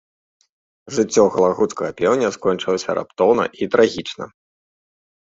Жыццё галагуцкага пеўня скончылася раптоўна і трагічна.